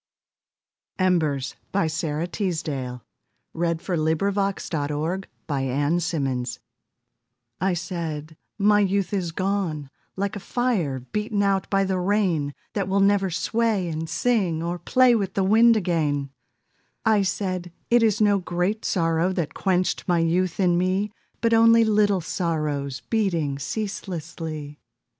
eads and more. JM Embroideries & Collectibles Embers By Sara Teasdale I said, "My youth is gone Like a fire beaten out by the rain, That will never sway and sing Or play with the wind again." I said, "It is no great sorrow That quenched my youth in me, But only little sorrows Beating ceaselessly."